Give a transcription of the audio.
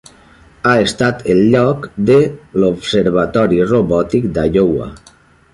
Ha estat el lloc de l'Observatori robòtic d'Iowa.